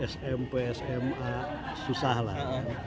smp sma susah lah